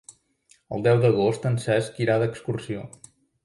El deu d'agost en Cesc irà d'excursió.